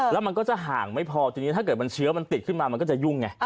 แล้วมันก็จะห่างไม่พอทีนี้ถ้าเกิดมันเชื้อมันติดขึ้นมามันก็จะยุ่งไง